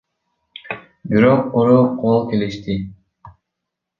Бирок куру кол келишти.